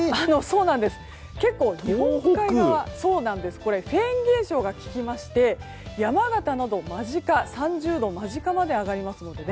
結構、日本海側がフェーン現象が来まして山形など、３０度間近まで上がりますのでね。